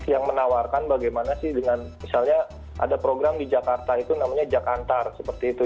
yang menawarkan bagaimana sih dengan misalnya ada program di jakarta itu namanya jakantar seperti itu